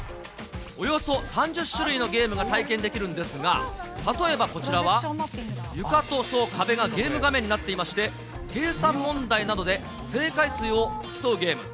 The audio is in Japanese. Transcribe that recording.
およそ３０種類のゲームが体験できるんですが、例えばこちらは、床と壁がゲーム画面になっていまして、計算問題などで正解数を競うゲーム。